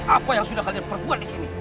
apa yang sudah kalian perbuat di sini